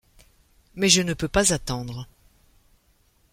Mais je ne peux pas attendre.